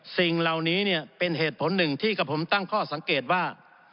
สิ่งเหล่านี้เนี่ยเป็นเหตุผลหนึ่งที่กับผมตั้งข้อสังเกตว่า